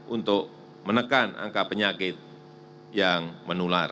untuk menekan angka penyakit yang menular